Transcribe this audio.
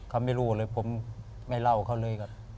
เขาไม่รู้เลยผมไม่เล่าเขาเลยครับ